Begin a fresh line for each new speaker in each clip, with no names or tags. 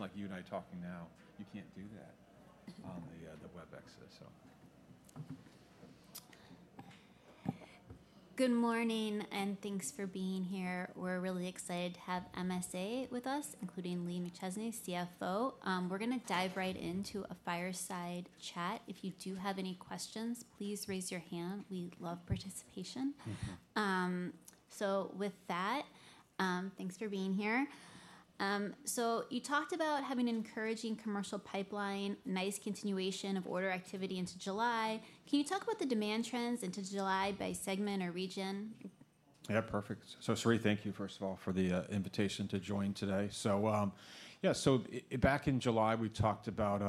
Even like you and I talking now, you can't do that on the Webexes or, so.
Good morning, and thanks for being here. We're really excited to have MSA with us, including Lee McChesney, CFO. We're going to dive right into a fireside chat. If you do have any questions, please raise your hand. We love participation. So with that, thanks for being here. So you talked about having an encouraging commercial pipeline, nice continuation of order activity into July. Can you talk about the demand trends into July by segment or region?
Yeah, perfect, so Saree, thank you, first of all, for the invitation to join today. So, yeah, so back in July, we talked about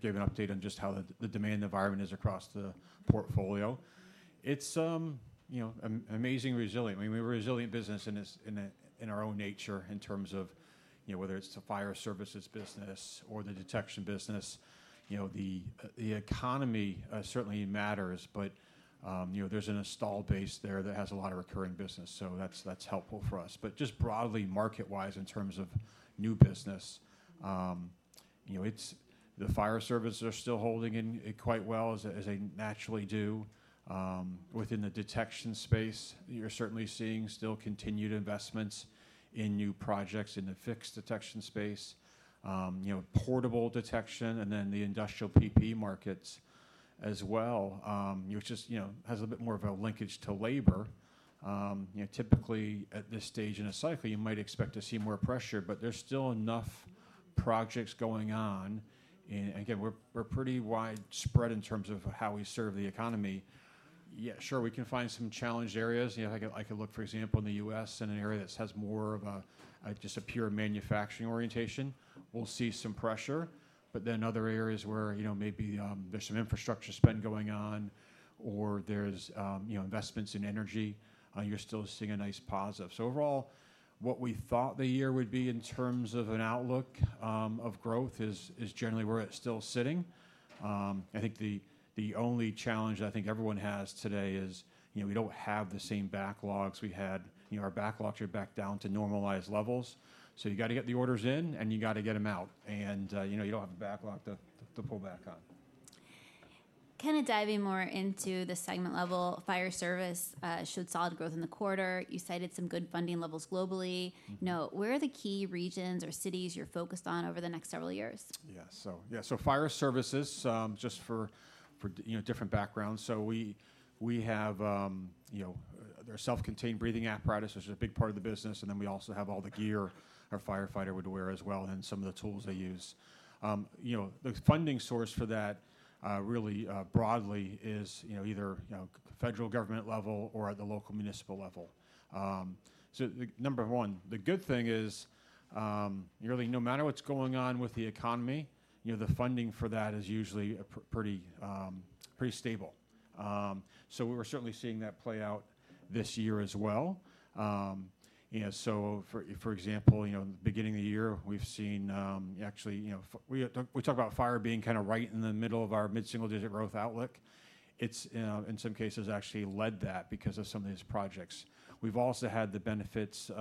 gave an update on just how the demand environment is across the portfolio. It's, you know, amazing resilient. I mean, we're a resilient business in this, in our own nature, in terms of, you know, whether it's the fire services business or the detection business. You know, the economy certainly matters, but, you know, there's an installed base there that has a lot of recurring business, so that's helpful for us. But just broadly, market-wise, in terms of new business, you know, it's the fire services are still holding in quite well, as they naturally do. Within the detection space, you're certainly seeing still continued investments in new projects in the fixed detection space, you know, portable detection, and then the industrial PPE markets as well. Which just, you know, has a bit more of a linkage to labor. You know, typically, at this stage in a cycle, you might expect to see more pressure, but there's still enough projects going on, and again, we're pretty widespread in terms of how we serve the economy. Yeah, sure, we can find some challenged areas. You know, I could look, for example, in the U.S., in an area that has more of a just a pure manufacturing orientation. We'll see some pressure, but then other areas where maybe, there's some infrastructure spend going on, or there's, you know, investments in energy, you're still seeing a nice positive. So overall, what we thought the year would be in terms of an outlook of growth is generally where it's still sitting. I think the only challenge that I think everyone has today is, you know, we don't have the same backlogs we had. You know, our backlogs are back down to normalized levels, so you got to get the orders in, and you got to get them out, and, you know, you don't have a backlog to pull back on.
Kind of diving more into the segment level, fire service showed solid growth in the quarter. You cited some good funding levels globally. Now, where are the key regions or cities you're focused on over the next several years?
Yeah, so fire services, just for different backgrounds. So we have, you know, their self-contained breathing apparatus, which is a big part of the business, and then we also have all the gear a firefighter would wear as well, and some of the tools they use. You know, the funding source for that, really, broadly is either, you know, federal government level or at the local municipal level. So the number one, the good thing is, really, no matter what's going on with the economy, the funding for that is usually pretty stable. So we're certainly seeing that play out this year as well. You know, so for example, in the beginning of the year, we've seen, actually--we talk about fire being kinda right in the middle of our mid-single-digit growth outlook. It's in some cases actually led that because of some of these projects. We've also had the benefits, you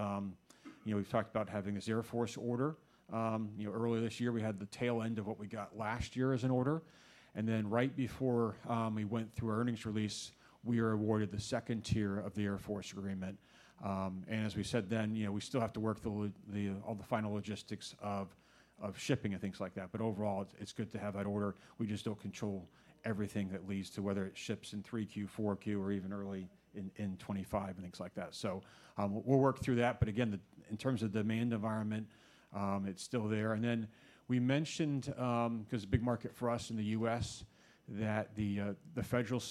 know, we've talked about having this Air Force order. You know, earlier this year, we had the tail end of what we got last year as an order, and then right before we went through our earnings release, we were awarded the second tier of the Air Force agreement, and as we said then, you know, we still have to work through all the final logistics of shipping and things like that, but overall, it's good to have that order. We just don't control everything that leads to whether it ships in 3Q, 4Q, or even early in 2025 and things like that. So, we'll work through that, but again, in terms of demand environment, it's still there. And then we mentioned, because a big market for us in the U.S., that the federal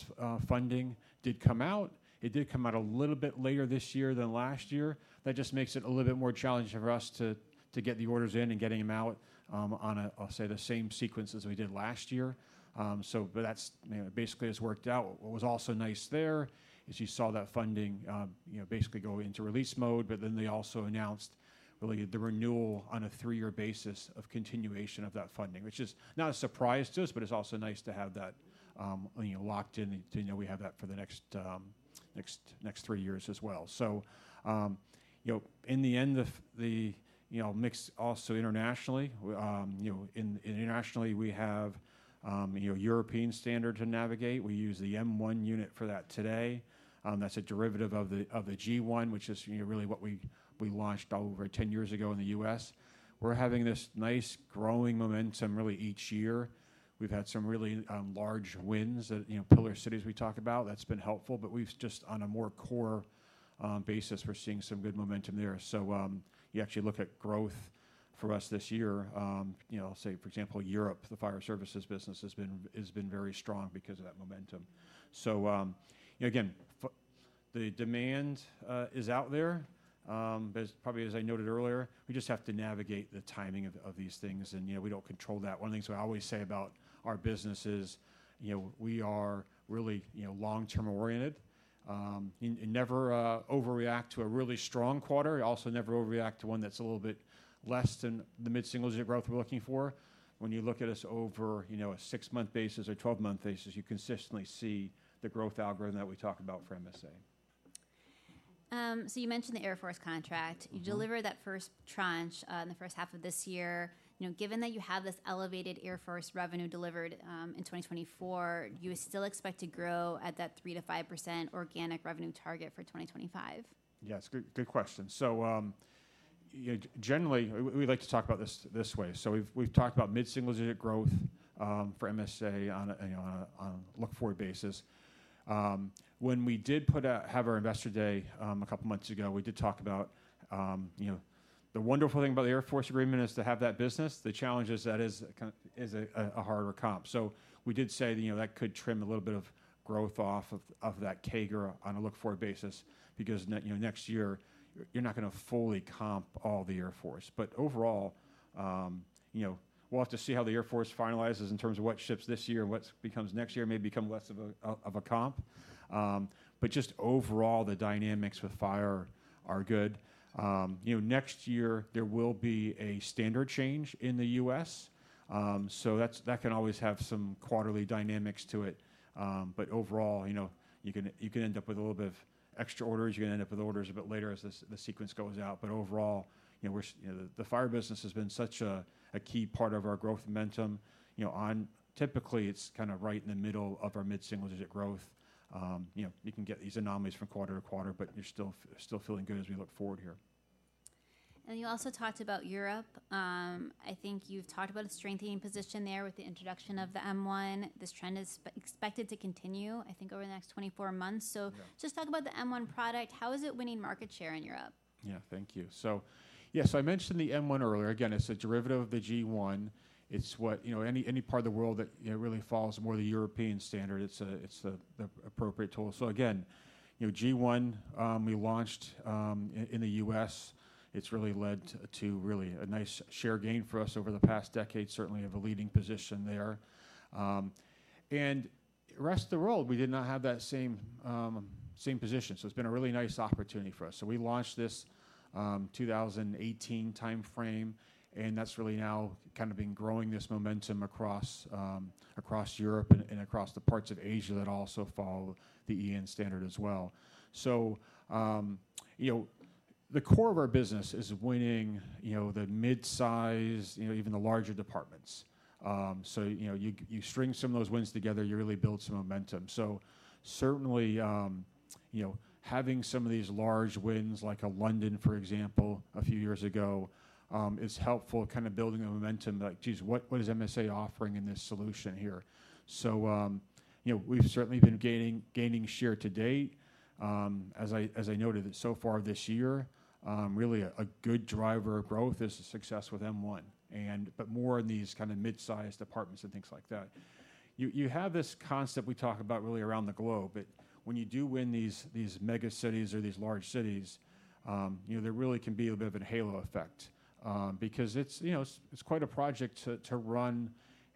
funding did come out. It did come out a little bit later this year than last year. That just makes it a little bit more challenging for us to get the orders in and getting them out, on a, I'll say, the same sequence as we did last year. So but that's, you know, basically has worked out. What was also nice there is you saw that funding, you know, basically go into release mode, but then they also announced really the renewal on a three-year basis of continuation of that funding, which is not a surprise to us, but it's also nice to have that, locked in to know we have that for the next three years as well. So, in the end, the mix also internationally, we have, European standard to navigate. We use the M1 unit for that today. That's a derivative of the G1, which is, you know, really what we launched over 10 years ago in the U.S. We're having this nice, growing momentum really each year. We've had some really large wins that, you know, pillar cities we talk about, that's been helpful, but we've just on a more core basis, we're seeing some good momentum there. So you actually look at growth for us this year, you know, say, for example, Europe, the fire services business has been very strong because of that momentum. So again, the demand is out there, but probably as I noted earlier, we just have to navigate the timing of these things, and, we don't control that. One of the things I always say about our business is, you know, we are really, you know, long-term oriented, and never overreact to a really strong quarter, also never overreact to one that's a little bit less than the mid-single-digit growth we're looking for. When you look at us over, you know, a six-month basis or 12-month basis, you consistently see the growth algorithm that we talk about for MSA.
so you mentioned the Air Force contract. You deliver that first tranche in the first half of this year. You know, given that you have this elevated Air Force revenue delivered in 2024, do you still expect to grow at that 3%-5% organic revenue target for 2025?
Yes, good question. So, generally, we like to talk about this this way: so we've talked about mid-single-digit growth for MSA on a look-forward basis. When we did have our Investor Day a couple months ago, we did talk about, the wonderful thing about the Air Force agreement is to have that business. The challenge is that is a harder comp. So we did say, you know, that could trim a little bit of growth off of that CAGR on a look-forward basis because, you know, next year, you're not gonna fully comp all the Air Force. But overall, you know, we'll have to see how the Air Force finalizes in terms of what ships this year and what becomes next year, may become less of a comp. But just overall, the dynamics with fire are good. You know, next year there will be a standard change in the U.S., so that can always have some quarterly dynamics to it. But overall, you know, you can end up with a little bit of extra orders. You're going to end up with orders a bit later as the sequence goes out. But overall, you know, the fire business has been such a key part of our growth momentum. You know, typically, it's kind of right in the middle of our mid-single-digit growth. You know, you can get these anomalies from quarter-to-quarter, but you're still feeling good as we look forward here.
And you also talked about Europe. I think you've talked about a strengthening position there with the introduction of the M1. This trend is expected to continue, I think, over the next 24- months.
Yeah.
So just talk about the M1 product. How is it winning market share in Europe?
Yeah. Thank you. So yes, I mentioned the M1 earlier. Again, it's a derivative of the G1. It's what... You know, any part of the world that, you know, really follows more the European standard, it's the appropriate tool. So again, G1, we launched in the US. It's really led to really a nice share gain for us over the past decade; we certainly have a leading position there, and rest of the world, we did not have that same position, so it's been a really nice opportunity for us. So we launched this in the 2018 timeframe, and that's really now kind of been growing this momentum across Europe and across the parts of Asia that also follow the EN standard as well. So, you know, the core of our business is winning, you know, the mid-size, you know, even the larger departments. So, you know, you string some of those wins together, you really build some momentum. So certainly having some of these large wins, like London, for example, a few years ago, is helpful, kind of building the momentum, like, geez, what is MSA offering in this solution here? So, you know, we've certainly been gaining share-to-date. As I noted, so far this year, really a good driver of growth is the success with M1 and but more in these kind of mid-sized departments and things like that. You have this concept we talk about really around the globe, but when you do win these mega cities or these large cities, you know, there really can be a bit of a halo effect, because it's quite a project to run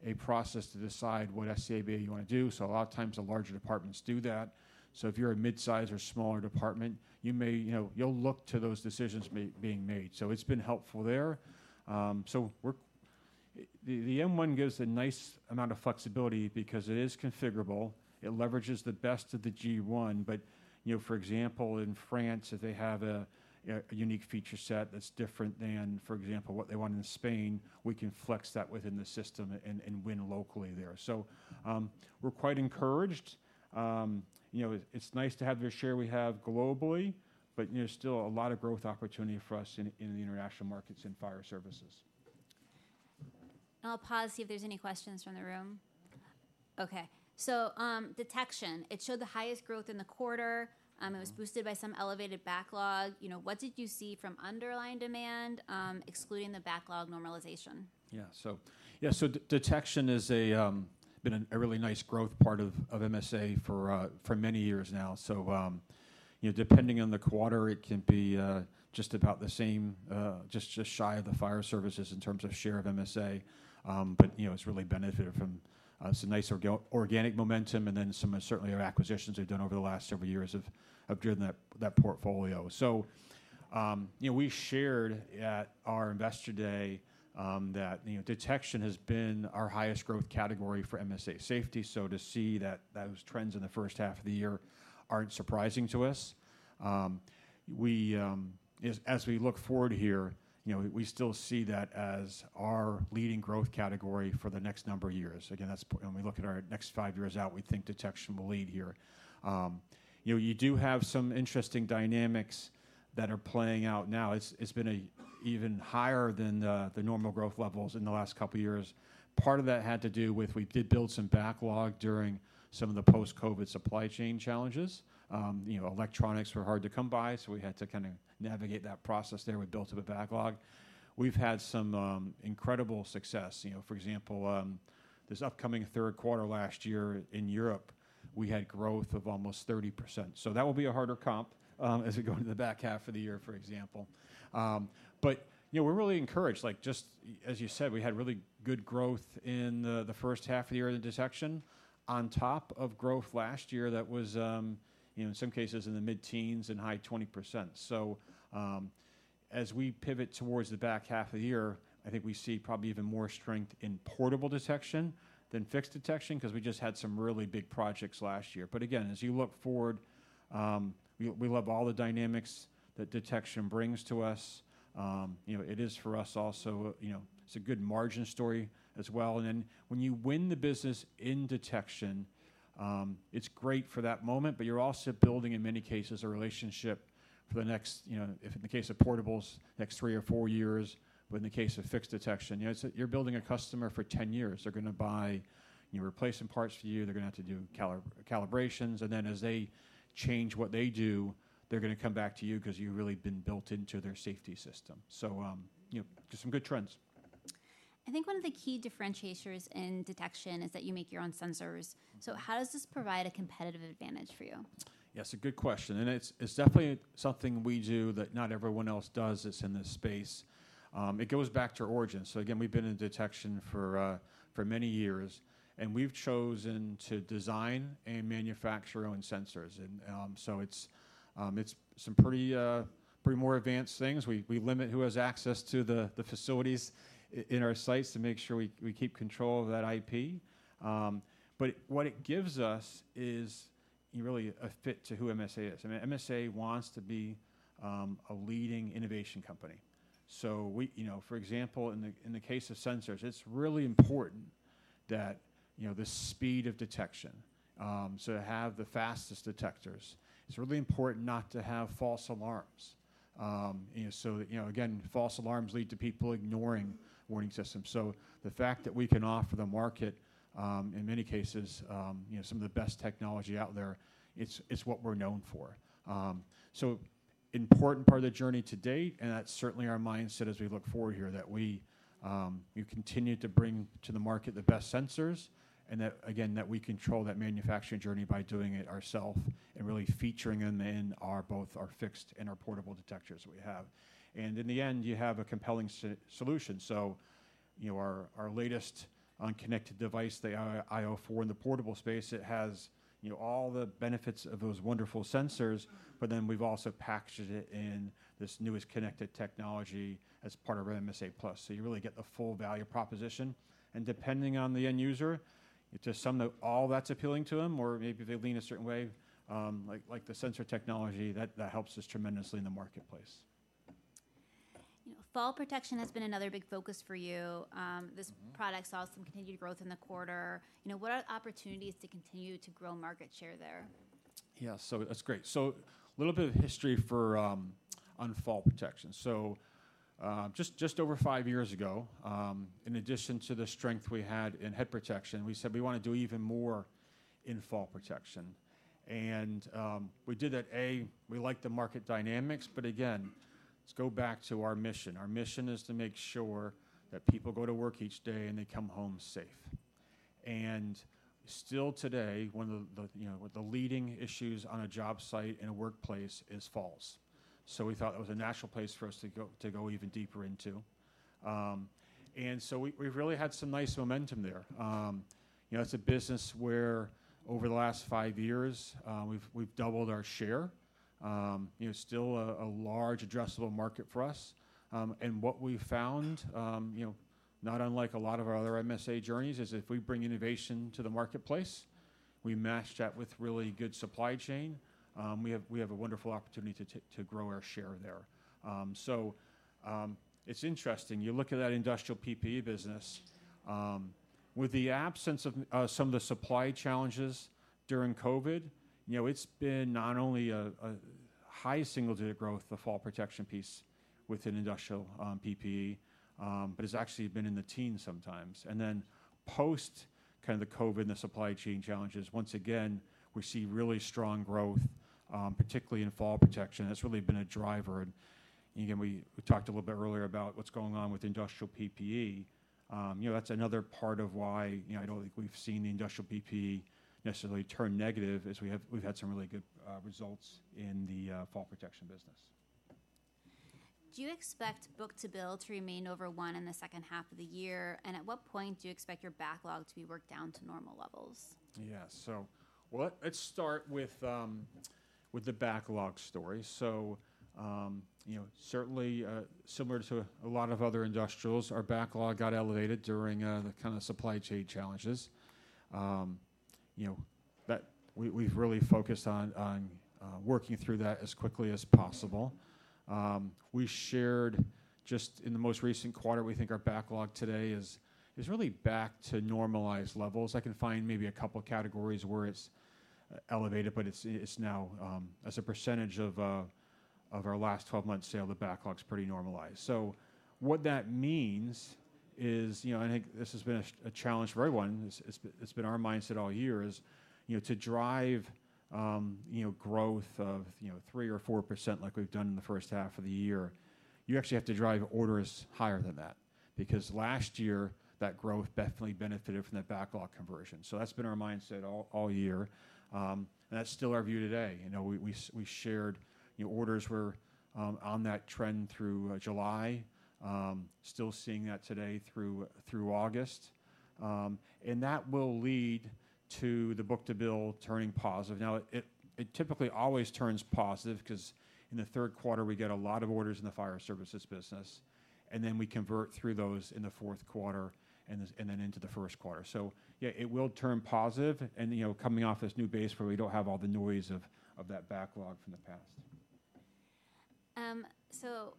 a process to decide what SCBA you want to do, so a lot of times, the larger departments do that, so if you're a mid-size or smaller department, you may, you know, you'll look to those decisions being made, so it's been helpful there. The M1 gives a nice amount of flexibility because it is configurable. It leverages the best of the G1, but, for example, in France, if they have a unique feature set that's different than, for example, what they want in Spain, we can flex that within the system and win locally there. So, we're quite encouraged. You know, it's nice to have the share we have globally, but, still a lot of growth opportunity for us in the international markets in fire services.
I'll pause to see if there's any questions from the room. Okay. Detection, it showed the highest growth in the quarter. It was boosted by some elevated backlog. You know, what did you see from underlying demand, excluding the backlog normalization?
Yeah, so detection has been a really nice growth part of MSA for many years now. So, you know, depending on the quarter, it can be just about the same, just shy of the fire services in terms of share of MSA. But, you know, it's really benefited from some nice organic momentum, and then some of certainly our acquisitions we've done over the last several years have driven that portfolio. So, we shared at our Investor Day that detection has been our highest growth category for MSA Safety. So to see that those trends in the first half of the year aren't surprising to us. As we look forward here, you know, we still see that as our leading growth category for the next number of years. Again, that's when we look at our next five years out, we think detection will lead here. You know, you do have some interesting dynamics that are playing out now. It's been even higher than the normal growth levels in the last couple of years. Part of that had to do with, we did build some backlog during some of the post-COVID supply chain challenges. You know, electronics were hard to come by, so we had to kind of navigate that process there. We built up a backlog. We've had some incredible success. You know, for example, this upcoming third quarter last year in Europe, we had growth of almost 30%. So that will be a harder comp, as we go into the back half of the year, for example. But, you know, we're really encouraged. Like, just as you said, we had really good growth in the first half of the year in detection on top of growth last year. That was in some cases in the mid-teens and high 20%. So, as we pivot towards the back half of the year, I think we see probably even more strength in portable detection than fixed detection, because we just had some really big projects last year. But again, as you look forward, we love all the dynamics that detection brings to us. You know, it is for us also, it's a good margin story as well, and then when you win the business in detection, it's great for that moment, but you're also building, in many cases, a relationship for the next, if in the case of portables, next three or four years, but in the case of fixed detection, you know, it's, you're building a customer for 10 years. They're going to buy, replacement parts from you, they're going to have to do calibrations, and then as they change what they do, they're going to come back to you 'cause you've really been built into their safety system. So, you know, just some good trends.
I think one of the key differentiators in detection is that you make your own sensors. So how does this provide a competitive advantage for you?
Yes, a good question, and it's definitely something we do that not everyone else does that's in this space. It goes back to our origins. So again, we've been in detection for many years, and we've chosen to design and manufacture our own sensors, and so it's some pretty more advanced things. We limit who has access to the facilities in our sites to make sure we keep control of that IP. But what it gives us is really a fit to who MSA is. I mean, MSA wants to be a leading innovation company. So you know, for example, in the case of sensors, it's really important that you know the speed of detection so to have the fastest detectors. It's really important not to have false alarms. You know, so, again, false alarms lead to people ignoring warning systems. So the fact that we can offer the market, in many cases, you know, some of the best technology out there, it's, it's what we're known for. So important part of the journey to date, and that's certainly our mindset as we look forward here, that we continue to bring to the market the best sensors, and that, again, that we control that manufacturing journey by doing it ourselves and really featuring them in our, both our fixed and our portable detectors we have. And in the end, you have a compelling solution. So, our latest on connected device, the io4, in the portable space, it has, you know, all the benefits of those wonderful sensors, but then we've also packaged it in this newest connected technology as part of our MSA+. So you really get the full value proposition, and depending on the end user, to some, that's all that's appealing to them, or maybe they lean a certain way, like the sensor technology, that helps us tremendously in the marketplace.
You know, fall protection has been another big focus for you. This product saw some continued growth in the quarter. You know, what are opportunities to continue to grow market share there?
Yeah, so that's great. So a little bit of history for on fall protection. So just, just over five years ago, in addition to the strength we had in head protection, we said we want to do even more in fall protection, and we did that. We like the market dynamics, but again, let's go back to our mission. Our mission is to make sure that people go to work each day, and they come home safe. And still today, one of the you know the leading issues on a job site in a workplace is falls. So we thought that was a natural place for us to go, to go even deeper into. And so we've really had some nice momentum there. You know, it's a business where over the last five years, we've doubled our share. You know, still a large addressable market for us. And what we've found, not unlike a lot of our other MSA journeys, is if we bring innovation to the marketplace, we match that with really good supply chain, we have a wonderful opportunity to grow our share there. So, it's interesting. You look at that industrial PPE business, with the absence of some of the supply challenges during COVID, it's been not only a high single digit growth, the fall protection piece within industrial PPE, but it's actually been in the teens sometimes. And then post kind of the COVID and the supply chain challenges, once again, we see really strong growth, particularly in fall protection. That's really been a driver, and again, we talked a little bit earlier about what's going on with industrial PPE. You know, that's another part of why, you know, I don't think we've seen the industrial PPE necessarily turn negative, as we have had some really good results in the fall protection business.
Do you expect book-to-bill to remain over one in the second half of the year? And at what point do you expect your backlog to be worked down to normal levels?
Yeah. So well, let's start with the backlog story. So, you know, certainly, similar to a lot of other industrials, our backlog got elevated during the kind of supply chain challenges. You know, that we, we've really focused on working through that as quickly as possible. We shared just in the most recent quarter, we think our backlog today is really back to normalized levels. I can find maybe a couple of categories where it's elevated, but it's now as a percentage of our last 12-month sale, the backlog's pretty normalized. So what that means is, you know, I think this has been a challenge for everyone. It's been our mindset all year is to drive growth of 3% or 4% like we've done in the first half of the year. You actually have to drive orders higher than that. Because last year, that growth definitely benefited from that backlog conversion. So that's been our mindset all year, and that's still our view today. You know, we shared, you know, orders were on that trend through July. Still seeing that today through August, and that will lead to the book-to-bill turning positive. Now, it typically always turns positive, because in the third quarter, we get a lot of orders in the fire services business, and then we convert through those in the fourth quarter, and then into the first quarter. Yeah, it will turn positive and, coming off this new base where we don't have all the noise of that backlog from the past.
So,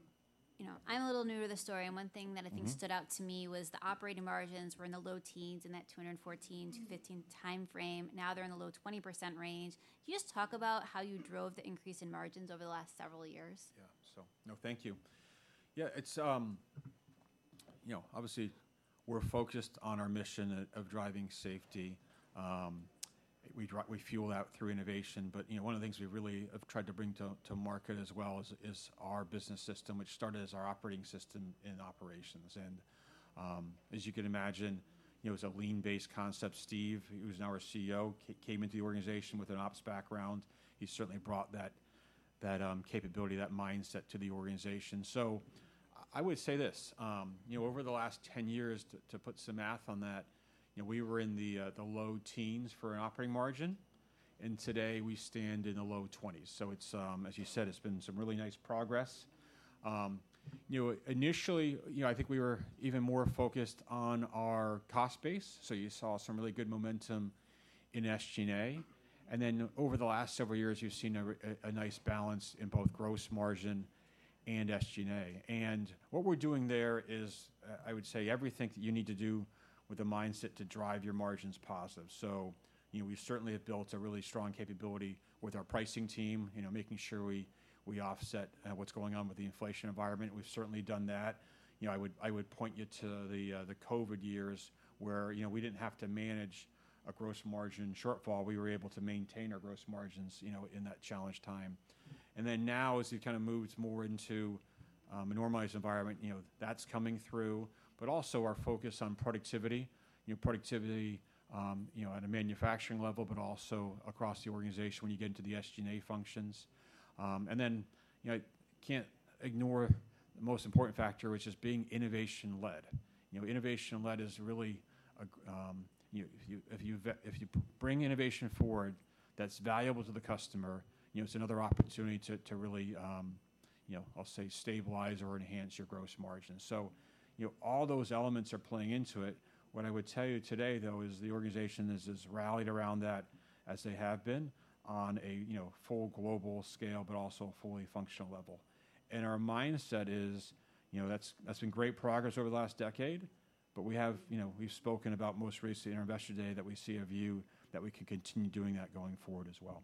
you know, I'm a little newer to the story, and one thing that I think stood out to me was the operating margins were in the low teens% in that 2014-2015 timeframe. Now they're in the low 20% range. Can you just talk about how you drove the increase in margins over the last several years?
Yeah. So, no, thank you. Yeah, it's--you know, obviously, we're focused on our mission of driving safety. We fuel that through innovation. But, one of the things we really have tried to bring to market as well is our business system, which started as our operating system in operations. And, as you can imagine, it's a lean-based concept. Steve, who's now our CEO, came into the organization with an ops background. He certainly brought that capability, that mindset to the organization. So I would say this, over the last ten years, to put some math on that, you know, we were in the low teens for an operating margin, and today we stand in the low twenties. So it's, as you said, it's been some really nice progress. You know, initially, I think we were even more focused on our cost base, so you saw some really good momentum in SG&A. And then over the last several years, you've seen a nice balance in both gross margin and SG&A. And what we're doing there is, I would say, everything that you need to do with a mindset to drive your margins positive. So, you know, we certainly have built a really strong capability with our pricing team, you know, making sure we offset what's going on with the inflation environment. We've certainly done that. You know, I would point you to the COVID years, where, we didn't have to manage a gross margin shortfall. We were able to maintain our gross margins, you know, in that challenged time, and then now, as it kind of moves more into a normalized environment, that's coming through, but also our focus on productivity, you know, at a manufacturing level, but also across the organization when you get into the SG&A functions, and then can't ignore the most important factor, which is being innovation-led. You know, innovation-led is really a if you bring innovation forward, that's valuable to the customer it's another opportunity to really, you know, I'll say, stabilize or enhance your gross margin. So, all those elements are playing into it. What I would tell you today, though, is the organization has just rallied around that as they have been on a, you know, full global scale, but also a fully functional level. And our mindset is, you know, that's been great progress over the last decade, but we have, you know, we've spoken about most recently in our Investor Day, that we see a view that we can continue doing that going forward as well.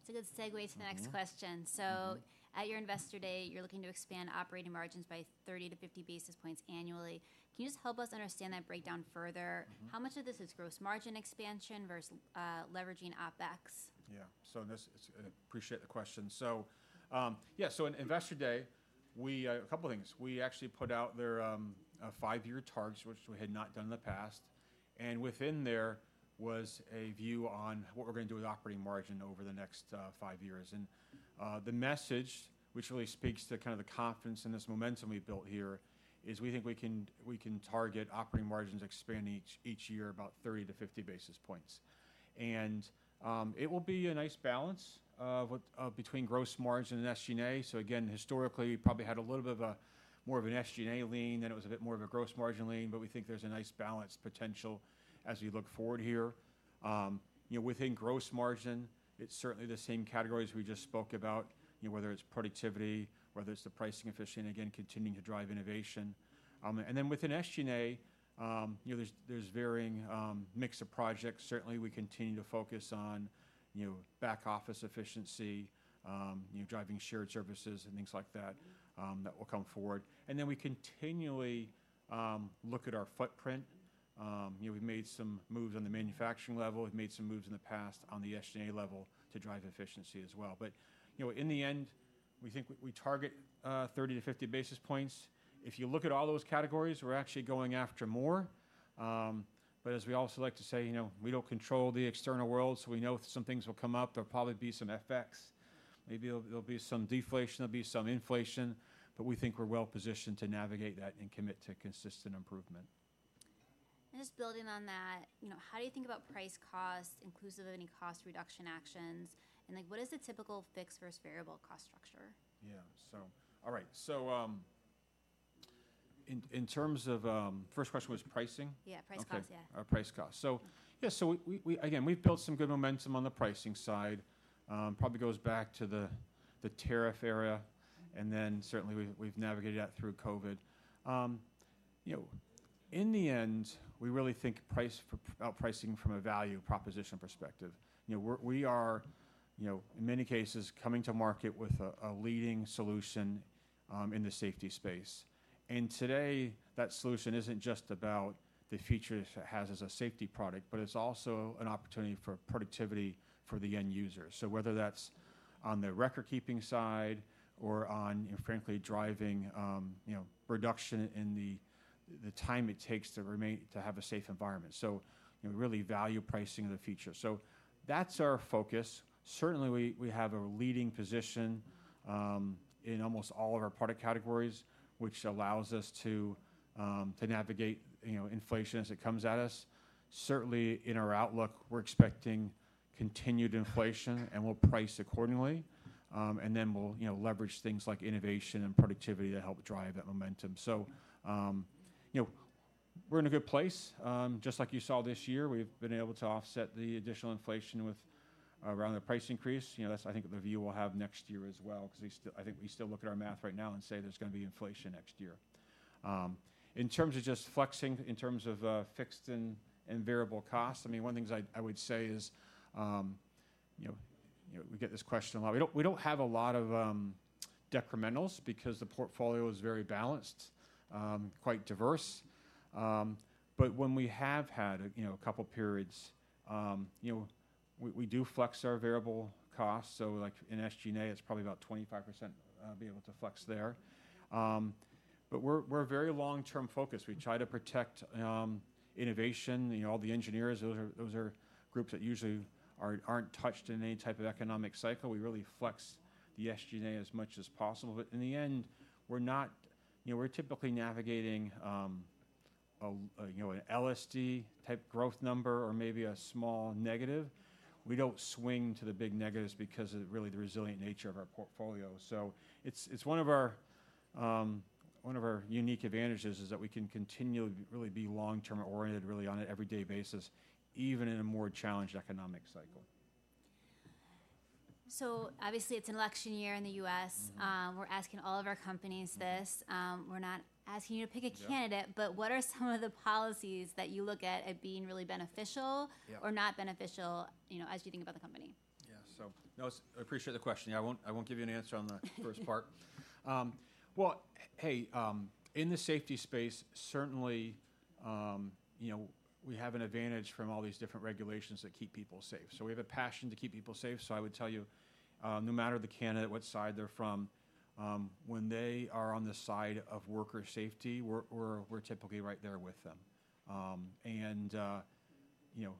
It's a good segue to the next question. So at your Investor Day, you're looking to expand operating margins by 30-50 basis points annually. Can you just help us understand that breakdown further? How much of this is gross margin expansion versus, leveraging OpEx?
Yeah. So this, I appreciate the question. So, yeah, so in Investor Day, we, a couple things. We actually put out there, a five-year target, which we had not done in the past, and within there was a view on what we're going to do with operating margin over the next, five years. And, the message, which really speaks to kind of the confidence and this momentum we've built here, is we think we can, we can target operating margins expanding each year about 30-50 basis points. And, it will be a nice balance, with, between gross margin and SG&A. So again, historically, probably had a little bit of a, more of an SG&A lean, then it was a bit more of a gross margin lean, but we think there's a nice balance potential as we look forward here. You know, within gross margin, it's certainly the same categories we just spoke about, you know, whether it's productivity, whether it's the pricing efficiency, and again, continuing to drive innovation. And then within SG&A, there's varying mix of projects. Certainly, we continue to focus on, you know, back office efficiency, driving shared services and things like that, that will come forward. And then we continually look at our footprint. You know, we've made some moves on the manufacturing level. We've made some moves in the past on the SG&A level to drive efficiency as well. But, you know, in the end, we think we target 30-50 basis points. If you look at all those categories, we're actually going after more. But as we also like to say, we don't control the external world, so we know some things will come up. There'll probably be some FX, maybe there'll be some deflation, there'll be some inflation, but we think we're well positioned to navigate that and commit to consistent improvement.
And just building on that, you know, how do you think about price cost, inclusive of any cost reduction actions? And like, what is the typical fixed versus variable cost structure?
Yeah. So, all right. So, in terms of first question was pricing?
Yeah, price cost, yeah.
Okay, price cost. So yeah, we again, we've built some good momentum on the pricing side. Probably goes back to the tariff era, and then certainly, we've navigated that through COVID. You know, in the end, we really think price, about pricing from a value proposition perspective. You know, we're we are in many cases, coming to market with a leading solution in the safety space. And today, that solution isn't just about the features it has as a safety product, but it's also an opportunity for productivity for the end user. So whether that's on the record-keeping side or on, frankly, driving reduction in the time it takes to remain, to have a safe environment. So really, value pricing of the feature. So that's our focus. Certainly, we have a leading position in almost all of our product categories, which allows us to navigate, you know, inflation as it comes at us. Certainly, in our outlook, we're expecting continued inflation, and we'll price accordingly, and then we'll, you know, leverage things like innovation and productivity to help drive that momentum, so you know, we're in a good place. Just like you saw this year, we've been able to offset the additional inflation with around the price increase. You know, that's, I think, the view we'll have next year as well, 'cause we still, I think we still look at our math right now and say there's gonna be inflation next year. In terms of just flexing, in terms of fixed and variable costs, I mean, one of the things I would say is, you know, we get this question a lot. We don't have a lot of decrementals because the portfolio is very balanced, quite diverse. But when we have had, you know, a couple periods, you know, we do flex our variable costs, so like in SG&A, it's probably about 25%, be able to flex there. But we're very long-term focused. We try to protect innovation all the engineers, those are groups that usually aren't touched in any type of economic cycle. We really flex the SG&A as much as possible, but in the end, we're not-- You know, we're typically navigating, you know, an LSD-type growth number or maybe a small negative. We don't swing to the big negatives because of really the resilient nature of our portfolio. So it's one of our unique advantages is that we can continue to really be long-term oriented really on an everyday basis, even in a more challenged economic cycle.
Obviously, it's an election year in the U.S. We're asking all of our companies this. We're not asking you to pick a candidate-
Yeah.
But what are some of the policies that you look at as being really beneficial?
Yeah
Or not beneficial, you know, as you think about the company?
Yeah, so, no, I appreciate the question. Yeah, I won't give you an answer on the first part. In the safety space, certainly, you know, we have an advantage from all these different regulations that keep people safe. So we have a passion to keep people safe. So I would tell you, no matter the candidate, what side they're from, when they are on the side of worker safety, we're typically right there with them. And, you know,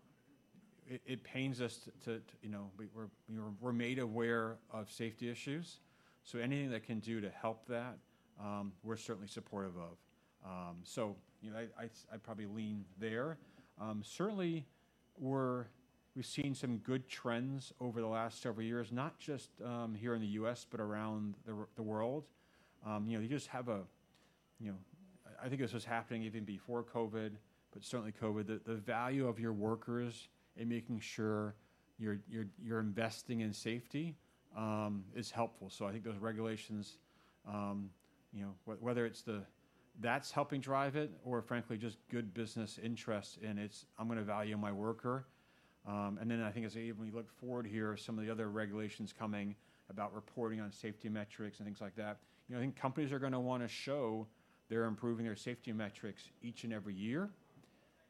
it pains us to, you know, we're made aware of safety issues, so anything that can do to help that, we're certainly supportive of. So, you know, I'd probably lean there. Certainly, we've seen some good trends over the last several years, not just here in the U.S., but around the world. You know, you just have a, you know. I think this was happening even before COVID, but certainly COVID, the value of your workers and making sure you're investing in safety is helpful. So I think those regulations, whether it's that's helping drive it or frankly, just good business interest, and it's, I'm going to value my worker. Then I think as even when you look forward here, some of the other regulations coming about reporting on safety metrics and things like that, I think companies are gonna wanna show they're improving their safety metrics each and every year.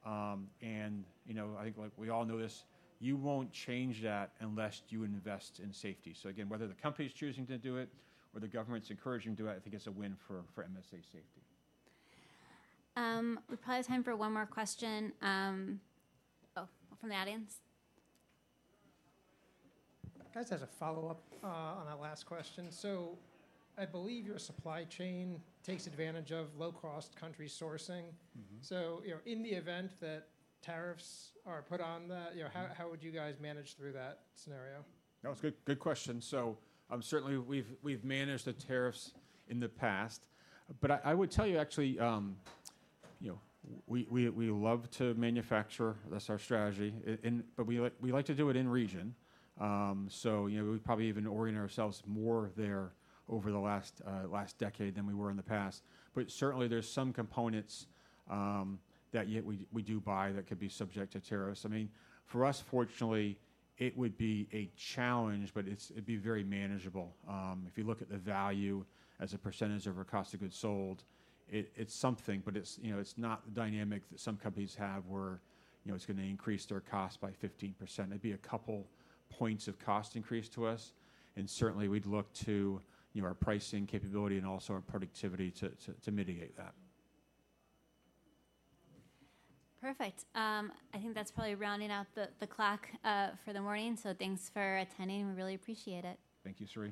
And you know, I think, like, we all know this, you won't change that unless you invest in safety. So again, whether the company's choosing to do it or the government's encouraging to do it, I think it's a win for MSA Safety.
We probably have time for one more question, from the audience. I guess as a follow-up, on that last question: so I believe your supply chain takes advantage of low-cost country sourcing. You know, in the event that tariffs are put on that, you know, how would you guys manage through that scenario?
That's a good, good question. So, certainly we've managed the tariffs in the past, but I would tell you actually, we love to manufacture. That's our strategy. And, but we like to do it in region. So, we probably even orient ourselves more there over the last decade than we were in the past. But certainly, there's some components that we do buy that could be subject to tariffs. I mean, for us, fortunately, it would be a challenge, but it's, it'd be very manageable. If you look at the value as a percentage of our cost of goods sold, it's something, but it's, you know, it's not the dynamic that some companies have where, you know, it's going to increase their cost by 15%. It'd be a couple points of cost increase to us, and certainly, we'd look to, you know, our pricing capability and also our productivity to mitigate that.
Perfect. I think that's probably rounding out the clock for the morning. So thanks for attending. We really appreciate it.
Thank you, Saree.